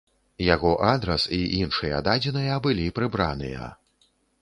Яго адрас і іншыя дадзеныя былі прыбраныя.